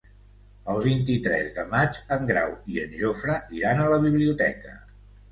El vint-i-tres de maig en Grau i en Jofre iran a la biblioteca.